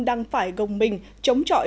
đang phải gồng mình chống trọi